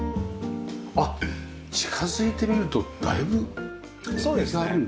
あっ近づいて見るとだいぶあるんだ。